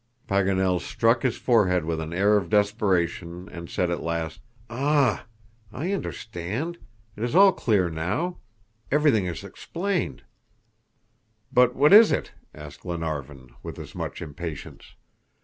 Paganel struck his forehead with an air of desperation, and said at last, "Ah! I understand. It is all clear now; everything is explained." "But what is it?" asked Glenarvan, with as much impatience.